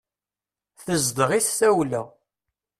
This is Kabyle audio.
Tezdeɣ-it tawla.